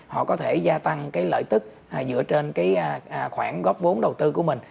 họ có thể gia tăng cái lợi tức dựa trên cái khoản góp vốn đầu tư của mình